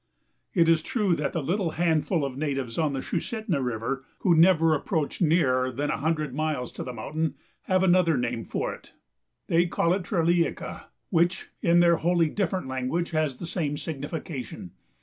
It is true that the little handful of natives on the Sushitna River, who never approach nearer than a hundred miles to the mountain, have another name for it. They call it Traléika, which, in their wholly different language, has the same signification.